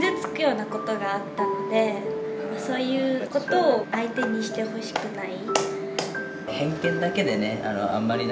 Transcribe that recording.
ちょっとこうそういうことを相手にしてほしくない。